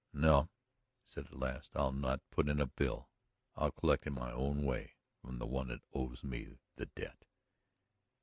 "No," he said at last, "I'll not put in a bill. I'll collect in my own way from the one that owes me the debt."